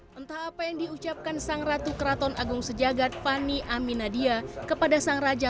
hai entah apa yang diucapkan sang ratu keraton agung sejagat fani aminadia kepada sang raja